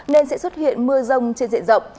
nên sẽ xuất hiện mưa rông trên diện rộng